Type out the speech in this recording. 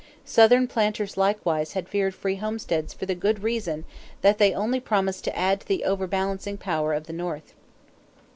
Southern planters likewise had feared free homesteads for the very good reason that they only promised to add to the overbalancing power of the North.